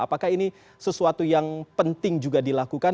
apakah ini sesuatu yang penting juga dilakukan